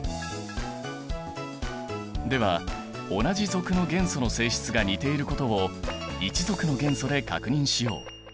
では同じ族の元素の性質が似ていることを１族の元素で確認しよう。